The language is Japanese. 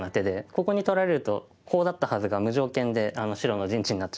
ここに取られるとコウだったはずが無条件で白の陣地になってしまって。